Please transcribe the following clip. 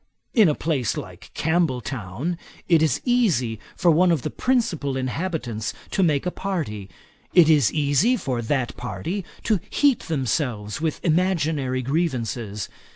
In a place like Campbelltown, it is easy for one of the principal inhabitants to make a party. It is easy for that party to heat themselves with imaginary grievances.